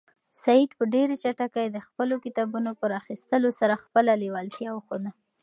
سعید په ډېرې چټکۍ د خپلو کتابونو په راخیستلو سره خپله لېوالتیا وښوده.